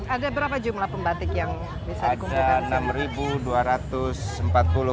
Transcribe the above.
ada berapa jumlah pembatik yang bisa digunakan